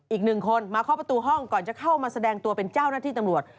อีกหนึ่งคนมาเคาะประตูห้องก่อนจะเข้ามาแสดงตัวเป็นเจ้าหน้าที่ตำรวจ